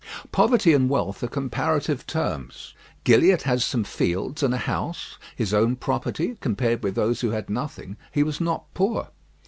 Poverty and wealth are comparative terms. Gilliatt had some fields and a house, his own property; compared with those who had nothing, he was not poor.